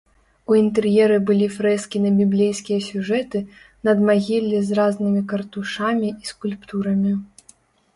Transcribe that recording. У інтэр'еры былі фрэскі на біблейскія сюжэты, надмагіллі з разнымі картушамі і скульптурамі.